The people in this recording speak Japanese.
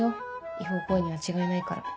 違法行為には違いないから。